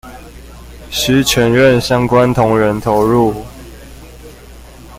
需全院相關同仁投入